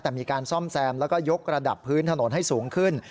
แต่มีการซ่อมแซมแล้วก็ยกระดับพื้นถนนให้สูงขึ้น